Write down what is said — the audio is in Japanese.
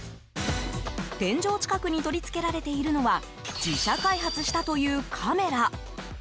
天井近くに取り付けられているのは自社開発したというカメラ。